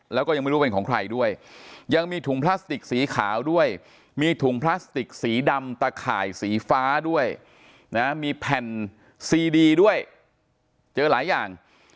แล้วก็ยังไม่รู้เป็นของใครด้วยยังมีถุงพลาสติกสีขาวด้วยมีถุงพลาสติกสีดำตะข่ายสีฟ้าด้วยนะมีแผ่นซีดีด้วยเจอหลายอย่าง